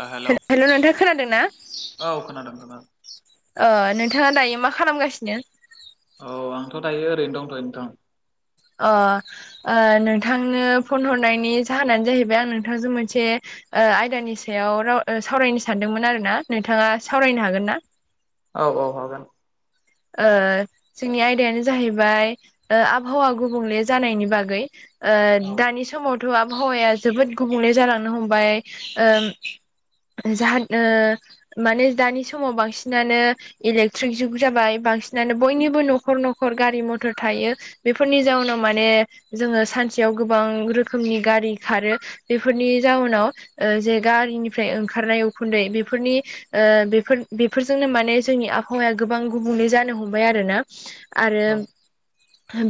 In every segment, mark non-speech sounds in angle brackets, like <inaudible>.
ओ hello hello नोंथां खोनादों ना? औ खोनादों खोनादों ओ नोंथाङा दायो मा खालामगासिनो? औ आंथ' दायो ओरैनो दंथ'यो नोंथां ओ ओ नोंथांनो फन हरनायनि जाहोनानो जाहैबाय आं नोंथांजों मोनसे ओ आयदानि सायाव सावरायनो सानदोंमोन आरो ना नोंथाङा सावरायनो हागोन ना? औ औ हागोन। ओ जोंनि आयदायानो जाहैबाय दा आबहावा गुबुंले जानायनि बागै ओ औ दानि समावथ' आबहावाया जोबोद गुबुंले जालांनो हमबाय ओ जाहा ओ माने दानि समाव बांसिनानो इलेकट्रिक जुग जाबाय। बांसिनानो बयनिबो न'खर न'खर गारि मथर थायो। बेफोरनि जाउनाव माने जोङो सानसेयाव गोबां रोखोमनि गारि खारो बेफोरनि जाउनाव ओ जे गारिनिफ्राय ओंखारनाय उखुन्दै बेफोरनि ओ बेफोर बेफोरजोंनो माने जोंनि आबहावाया गोबां गुबुंले जानो हमबाय आरो ना आरो औ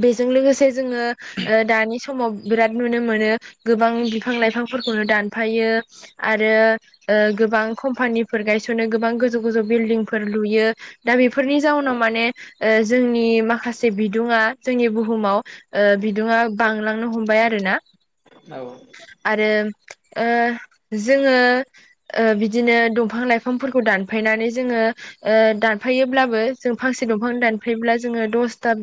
बेजों लोगोसे जोङो दानि समाव बिराद नुनो मोनो गोबां बिफां लाइफांफोरखौनो दानफायो। आरो ओ गोबां कम्पानिफोर गायस'नो गोबां गोजौ गोजौ बिल्डिंफोर लुयो दा बेफोरनि जाउनाव माने ओ जोंनि माखासे बिदुङा जोंनि बुहुमाव ओ बिदुुङा बांलांनो हमबाय आरो ना औ आरो ओ जोङो ओ बिदिनो दंफां लाइफांफोरखौ दानफायनानै जोङो ओ दानफायोब्लाबो जों फांसे दंफां दानफैब्ला जोङो दसथा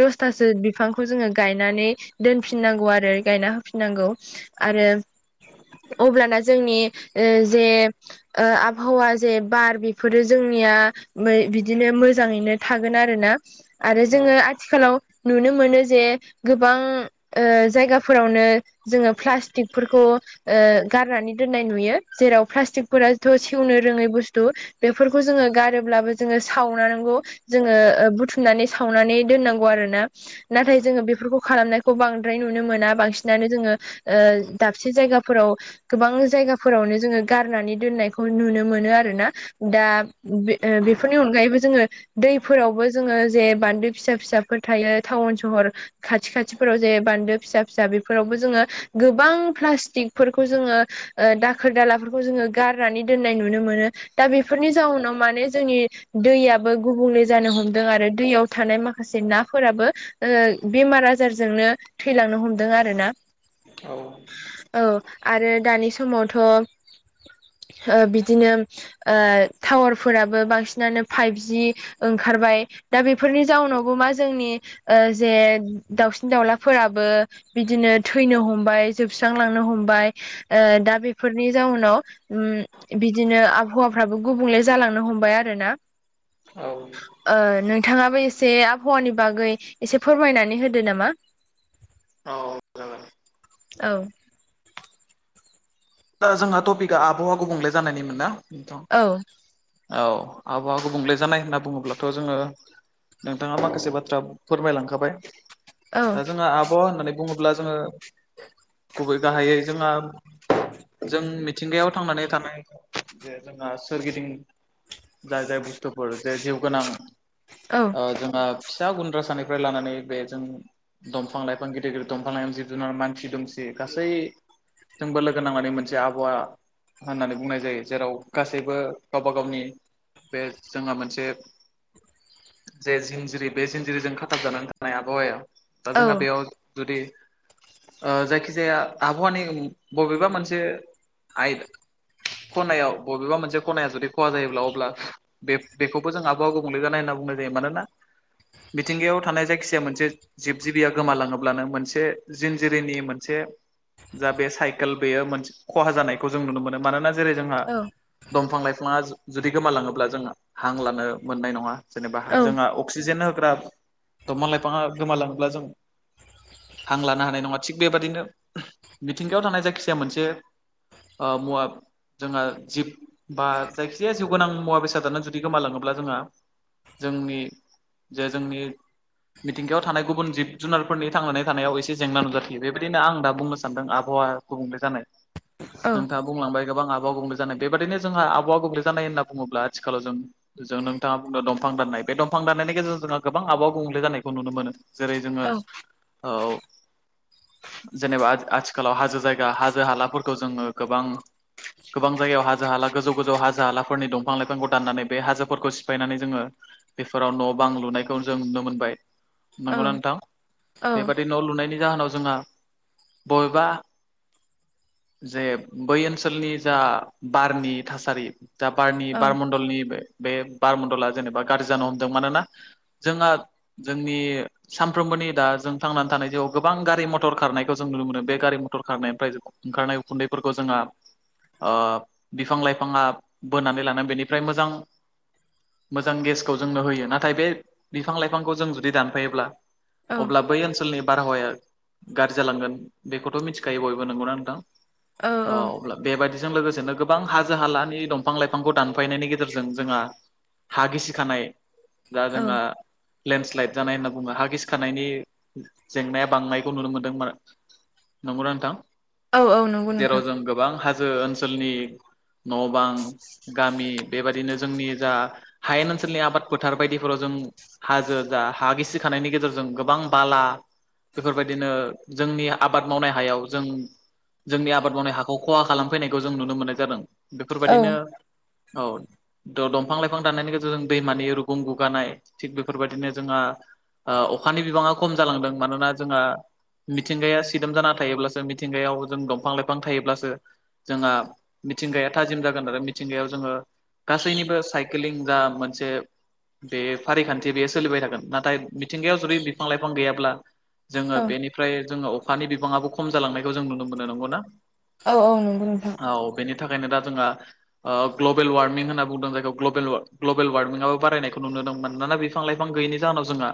दसथासो बिफांखौ जोङो गायनानै दोनफिननांगौ आरो गायना होफिननांगौ। आरो अब्लाना जोंनि ओ जे ओ आबहावा जे बार बेफोरो जोंनिया बिदिनो मो मोजाङैनो थागोन आरोना आरो जोङो आथिखालाव नुनो मोनो जे गोबां ओ जायगाफोरावनो जोङो प्लास्टिकफोरखौ ओ गारनानै दोननाय नुयो जेराव प्लास्टिकफोराथ' सेवनो रोङै बुस्थु बेफोरखौ जोङो गारोब्लाबो जोङो सावनानै जोङो बुथुमनानै सावनानै दोननांगौ आरोना। नाथाय जोङो बेफोरखौ खालामनायखौ बांद्राय नुनो मोना बांसिनानो जोङो ओ दाबसे जायगाफोराव गोबां जायगाफोरावनो जोङो गारनानै दोननायखौ नुनो मोनो आरो ना। दा बे बेफोरनि अनगायैबो जोङो दैफोरावबो जोङो जे बान्दो फिसा फिसाफोर थायो टाउन सहर खाथि खाथिफोराव जे बान्दो फिसा फिसा बेफोरावबो जोङो गोबां प्लास्टिकफोरखौ जोङो ओ दाखोर दालाफोरखौ जोङो गारनानै दोननाय नुनो मोनो। दा बेफोरनि जाउनाव माने जोंनि दैया बो गुबुंले जानो हमदों आरो दैयाव थानाय माखासे नाफोराबो ओ बेमार आजारजोंनो थैलांनो हमदों आर ना औ औ आरो दानि समावथ' ओ बिदिनो ओ टावार फोराबो बांसिनानो फाइभ जि ओंखारबाय दा बेफोरनि जाउनावबो मा जोंनि ओ जे दाउसिन दाउलाफोराबो बिदिनो थैनो हमबाय जोबस्रांलांनो हमबाय ओ दा बेफोरनि जाउनाव उम बिदिनो आबहावाफ्राबो गुबुंले जालांनो हमबाय आरो ना औ ओ नोंथाङाबो एसे आबहावानि बागै एसे फोरमायनानै होदो नामा औ औ ओ जोंहा टपिकआ आबहावा गुबुंले जानायनिमोन ना औ औ आबहावा गुबुंले जानाय होनना बुङोब्लाथ' जोङो नोंथाङा माखासे बाथ्रा फोरमायलांखाबाय औ ओ जोंङो आबहावा होननानै बुङोब्ला जोङो गुबै गाहायै जोंहा जों मिथिंगायाव थांनानै थानाय जे जोंहा सोरगिदिं जाय जाय बुस्थुफोर जे जिउ गोनां औ ओ जोंहा फिसा गुन्द्रा सानिफ्राय लानानै बे जों दंफां लाइफां गिदिर गिदिर दंफां लाइफां जिब जुनार मानसि दुमसि गासै जोंबो लोगो नांनानै मोन जे आबहावा होननानै बुंनाय जायो जेराव गासैबो गावबा गावनि बे जोंहा मोनसे जे जिंजिरि बे जिंजिरिजों खाथाब जानानै थानाय आबहावाया दा औ जोंहा बेयाव जुदि ओ जायखिजाया आबहावानि बबेबा मोनसे आय खनायाव बबेबा मोनसे खनाया जुदि खहा जायोब्ला अब्ला बे बेखौबो जों आबहावा गुबुंले जानाय होनना बुंनाय जायो मानोना मिथिंगायाव थानाय जायखिजाया मोनसे जिब जिबिया गोमालाङोब्लानो मोनसे जिनजिरिनि मोनसे जा बे साइकेल बेयो मोनसे खहा जानायखौ जों नुनो मोनो मानोना जेरै जोंहा औ दंफां लाइफाङा जुदि गोमालाङोब्ला जों हां लानो मोननाय नङा जेनेबा औ जोंहा अक्सिजेन होग्रा दंफां लाइफाङा गोमालाङोब्ला जों हां लानो हानाय नङा थिग बेबादिनो मिथिंगायाव थानाय जायखिजाया मोनसे ओ मुवाब जोंहा जिब बा जायखिजाया जिउ गोनां मुवा बेसादानो जुदि गोमालाङोब्ला जोंहा जोंनि जे जोंनि मिथिंगायाव थानाय गुबुन जिब जुनारफोरनि थांनानै थानायाव एसे जेंना नुजाथियो बेबायदिनो आं दा बुंनो सानदों आबहावा गुबुंले जानाय औ नोंथाङा बुंलांबाय गोबां आबहावा गुबुंले जानाय बेबायाददिनो जोंहा आबहावा गुबुंले जानाय होनना बुङोब्ला आथिखालाव जों जों नोंथाङा बुंदों दंफां दान्नाय बे दंफां दान्नायनि गेजेरजों जोंहा गोबां आबहावा गुबुंले जानायखौ नुनो मोनो। जेरै जोङो औ औ जेनेबा आथ आथि खालाव हाजो जायगा हाजो हालाफोरखौ जोङो गोबां गोबां जायगायाव हाजो हाला गोजौ गोजौ हाजो हालाफोरनि दंफां लाइफांखौ दाननानै बे हाजोफोरखौ सिफायनानै जोङो बेफोराव न' बां लुनायखौ जों नुनो मोनबाय। औ नंगौ ना नोंथां औ बेबादि न' लुनायनि जाहोनाव जोंहा बबेबा जे बै ओनसोलनि जा बारनि थासारि दा बारनि बारमण्डलनि बे बे बारमन्डला जेनेबा गाज्रि जानो हमदों मानोना जोंहा जोंनि सानफ्रोमबोनि दा जों थांनानै थानाय जिउआव गोबां गारि मथर खारनायखौ जों नुनो मोनो बे गारि मथर खारनायनिफ्राय जो ओंखारनाय उखुन्दैफोरखौ जोंहा ओ बिफां लाइफाङा बोनानै लानानै बेनिफ्राय मोजां मोजां गेसखौ जोंनो होयो नाथाय बे बिफां लाइफांखौ जों जुदि दानफायोब्ला औ अब्ला बै ओनसोलनि बारहावाया गाज्रि जालांगोन बेखौथ' मिथिखायो बयबो नंगौना नोंथां? औ अब्ला बेबायदि जों लोगोसेनो गोबां हाजो हालानि दंफां लाइफांखौ दानफायनायनि गेजेरजों जोंहा हा गिसि खानाय दा औ जोंहा लेन्डस्लाइद जानाय होनना बुङो हा गिखानायनि जेंनाया बांनायखौ नुनो मोन्दों मा नंगौना नोंथां? औ औ न जेराव जों गोबां हाजो ओनसोलनि न' बां गामि बेबायाददिनो जोंनि जा हायेन ओनसोलनि आबाद फोथार बायदिफोराव जों हाजो जा हा गिसि खानायनि गेजेरजों गोबां बाला बेफोरबायदिनो जोंनि आबाद मावनाय हायाव जों जोंनि आबाद मावनाय हाखौ खहा खालामफैनायखौ जों नुनो मोननाय जादों औ बेफोरबायाददिनो औ द दंफां लाइफां दाननायनि गेजेरजों दैमानि रुगुं गुगानाय थिग बेफोरबायदिनो जोंहा ओ अखानि बिबाङाव खम जालांदों मानोना जोंहा मिथिंगाया सिदोम जाना थायोब्लासो मिथिंगायाव जों दंफां लाइफां थायोब्लासो जोंहा मिथिंगाया थाजिम जागोन आरो मिथिंगायाव जोङो गासैनिबो साइकेलिं जा मोनसे बे फारिखान्थि बेयो सोलिबाय थागोन नाथाय मिथिंगायाव जुदि बिफां लाइफां गैयाब्ला जोङो औ बेनिफ्राय जोङो अखानि बिबाङाबो खम जालांनायखौ जों नुनो मोनो नंगौ ना औ औ नंगौ नोंथां औ बेनि थाखायनो दा जोंहा ओ ग्लबेल व्मिं होनना बुंदों जायखौ ग्लबेल वारमिंबो बारायनायखौ नुनोदोंमोनाना बे बिफां लाइफां गैयनि जाहोनाव जोंहा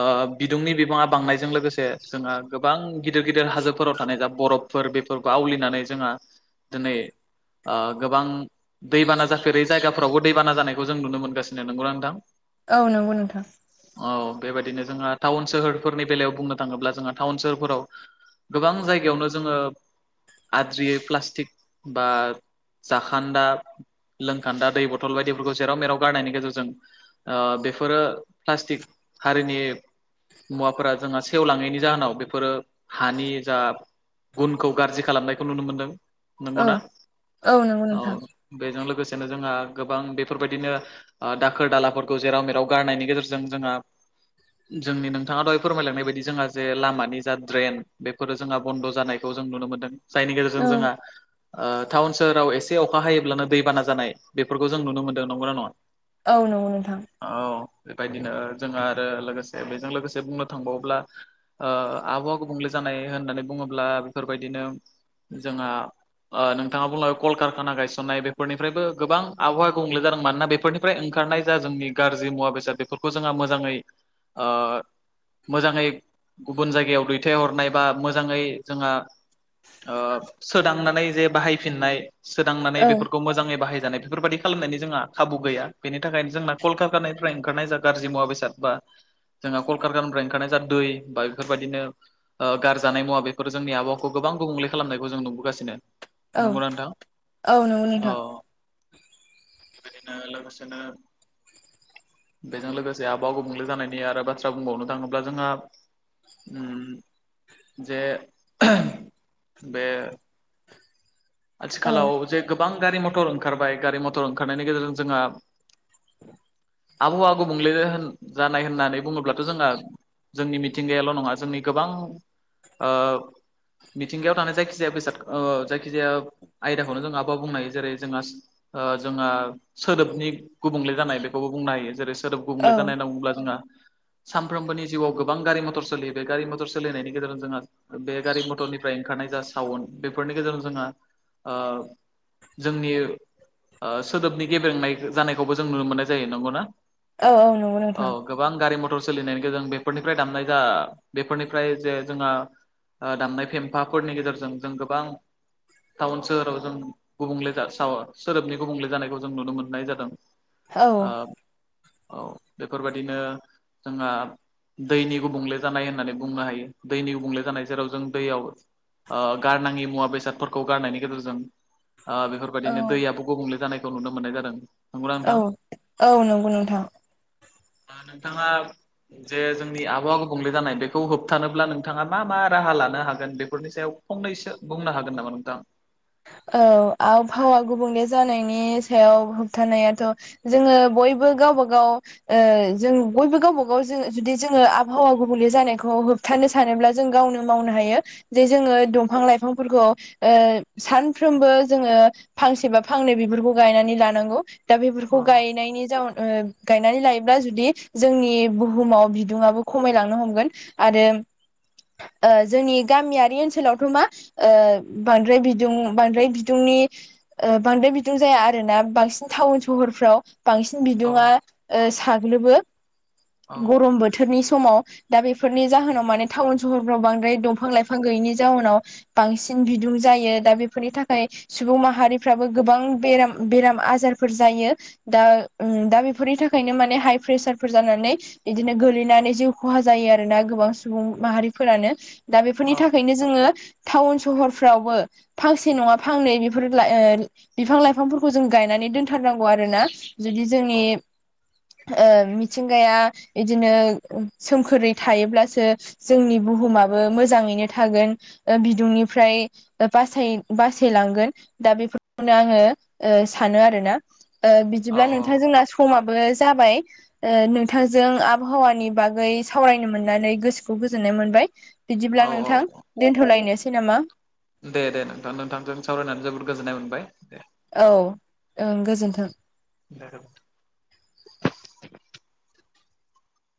ओ बिदुंनि बिबाङा बांनायजों लोगोसे जोंहा गोबां गिदिर गिदिर हाजोफोराव थानाय जा बरफ फोर बेफोरखौ आवलिनानै जोंहा दिनै ओ गोबां दैबाना जाफेरै जायगाफ्रावबो दैबाना जानायखौ जों नुनो मोनगासिनो नंगौना नोंथां? औ नंगौ नोंथां। औ बेबायदिनो जोंहा टाउन सोहोरफोरनि बेलायाव बुंनो थाङोब्ला जोंहा टाउन सोहोरफोराव गोबां जायगायावनो जोङो आद्रियै प्लास्टिक बा जाखान्दा लोंखान्दा दै बथल बायदिफोरखौ जेराव मेराव गारनायनि गेजेरजों ओ बेफोरो प्लास्टिक हारिनि मुवाफोरा जोंहा सेवलाङैनि जाहोनाव बेफोरो हानि जा गुनखौ गाज्रि खालामनायखौ नुनो मोनदों नंगौ औ ना? नंगौ औ नोंथां बेजों लोगोसेनो जोंहा गोबां बेफोरबायदिनो ओ दाखोर दालाफोरखौ जेराव मेराव गारनायनि गेजेरजों जोंहा जोंनि नोंथाङा दहाय फोरमायलांनाय बायदि जोंहा जे लामानि जा ड्रेन बेफोरो जोंहा बन्द जानाय खौ जों नुनो मोनदों जायनि गेजेरजों औ जोंहा ओ टाउन सोहोराव एसे अखा हायोब्लानो दैबाना जानाय बेफोरखौ जों नुनो मोनदों नंगौना नङा औ नंगौ नोंथां औ बेबायदिनो जोंहा आरो लोगोसे बेजों लोगोसे बुंनो थांबावोब्ला ओ आबहावा गुबुंले जानाय होननानै बुङोब्ला बेफोरबायदिनो जोंहा ओ नोंथाङा बुंलांबाय कलकारखाना गायसननाय बेफोरनिफ्रायबो गोबां आबहावा गुबुंले जादों मानोना बेफोरनि निफ्राय ओंखारनाय जा जोंनि गाज्रि मुवा बेसाद बेफोरखौ जोंहा मोजाङै ओ मोजाङै गुबुन जायगायाव दैथायहरनाय बा मोजाङै जोंहा ओ सोदांनानै जे बाहायफिननाय सोदांनानै औ बेफोरखौ मोजाङै बाहायजानाय बेफोरबायादि खालामनायनि जोंहा खाबु गैया बेनि थाखायनो जोंना कलकतानिफ्राय ओंखारनाय जा गाज्रि मुवा बेसाद बा जोंहा कलकार गाननिफ्राय ओंखारनाय जा दै बा बेफोरबायदिनो ओ गारजानाय मुवा बेफोर जोंनि आबावा खौ गोबां गुबुंले खालामनायखौ जों नुबोगासिनो औ नंगौना नोंथां औ नंगौ नोंथां औ बेबायदिनो लोगोसेनो बेजों लोगोसे आबहावा गुबुंले जानायनि आरो बाथ्रा बुंबावनो थाङोब्ला जोंहा उम जे बे औ आथिखालाव जे गोबां गारि मथर ओंखारबाय गारि मथर ओंखारनायनि गेजेरजों जोंहा आबहावा गुबुंले होन जानाय होननानै बुङोब्लाथ' जोंहा जोंनि मिथिंगायाल' नङा जोंनि गोबां ओ मिथिंगायाव थानाय जायखिजाया बेसाद ओ जायखिजाया आयदाखौनो जों आबहावा बुंनो हायो जेरै जोंहा ओ जोंहा सोदोबनि गुबुंले जानाय बेखौबो बुंनो हायो जेरै सोदोब औ गुबुंले जानाय होनना बुंब्ला जोंहा सानफ्रोमबोनि जिउआव गोबां गारि मथर सोलियो बे गारि मथर सोलिनायनि गेजेरजों जोंहा बे गारि मथरनिफ्राय ओंखारनाय जा साउन्ड बेफोरनि गेजेरजों जोंहा ओ जोंनि ओ सोदोबनि गेब्रेंनाय जानायखौबो जों नुनो मोननाय जायो नंगौना? औ औ नंगौ औ नोंथां गोबां गारि मथर सोलिनायनि गोजों बेफोरनिफ्राय दामनाय जा बेफोरनिफ्राय जे जोंहा ओ दामनाय फेम्फाफोरनि गेजेरजों जों गोबां टाउन सोहोराव जों गुबुंले जा साव सोदोबनि गुबुंले जानायखौ जों नुनो मोननाय जादों औ ओ औ बेफोरबायदिनो जोंहा दैनि गुबुंले जानाय होननानै बुंनो हायो दैनि गुबुंले जानाय जेराव जों दैयाव ओ गारनाङि मुवा बेसादफोरखौ गारनायनि गेजेरजों ओ बेफोर औ बायदिनो दैयाबो गुबुंले जानायखौ नुनो मोननाय जादों नंगौ ना औ नोंथां औ नंगौ अ <inaudible> ओ नोंथाङा जे जोंनि आबहावा गुबुंले जानाय बेखौ होबथानोब्ला नोंथाङा मा मा राहा लानो हागोन बेफोरनि सायाव फंनैसो बुंनो हागोन नामा नोंथां? औ आबहावा गुबुंले जानायनि सायाव होबथानायाथ' जोङो बयबो गावबा गाव ओ जों बयबो गावबा गाव जों जुदि जोङो आबहावा गुबुंले जानायखौ होब थानो सानोब्ला जों गावनो मावनो हायो जे जोङो दंफां लाइफांफोरखौ ओ सानफ्रोमबो जोङो फांसे बा फांनै बिफोरखौ गायनानै लानांगौ दा बेफोरखौ अ गायनायनि जाउन ओ गायनानै लायोब्ला जुदि जोंनि बुहुमाव बिदुङाबो खमायलांनो हमगोन आरो ओ जोंनि गामियारि ओनसोलावथ' मा ओ बांद्राय बिदि बांद्राय बिदुंनि ओ बांद्राय बिदुं जाया आरोना बांसिन टाउन सहरफ्राव बांसिन औ बिदुुङा ओ साग्लोबो औ गरम बो थोरनि समाव दा बेफोरनि जाहोनाव माने टाउन सहरफ्राव बांद्राय दंफां लाइफां गैयैनि जाहोनाव बांसिन बिदुं जायो दा बेफोरनि थाखाय सुबुं माहारिफ्राबो गोबां बेराम बेराम आजारफोर जायो दा उम दा बेफोरनि थाखायनो माने हाइ प्रेसारफोर जानानै बिदिनो गोलैनानै जिउ खहा जायो आरो ना गोबां सुबुं माहारिफोरानो दा बेफोरनि औ थाखायनो जोङो टाउन सहरफ्रावबो फांसे नङा फांनै बेफोर लाय ओ बिफां लाइफांफोरखौ जों गायनानै दोनथारनांगौ आरो ना जुदि जोंनि ओ मिथिंगाया बिदिनो सोमखोरै थायोब्लासो जोंनि बुहुमाबो मोजाङैनो थागोन ओ बिदुंनिफ्राय बासाय-बासायलांगोन दा बेफोरखौनो आङो ओ सानो आरोना ओ बिदिब्ला नोंथां औ जोंना समाबो जाबाय ओ नोंथांजों आबहावानि बागै सावरायनो मोननानै गोसोखौ गोजोननाय मोनबाय बिदिब्ला औ औ नोंथां औ दोनथ'लायनोसै नामा दे दे नोंथां नोंथांजों सावरायनानै जोबोद गोजोननाय मोनबाय दे औ ओं गोजोन्थों <unintelligible>